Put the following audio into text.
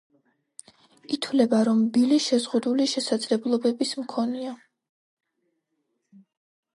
ითვლება, რომ ბილი შეზღუდული შესაძლებლობების მქონეა.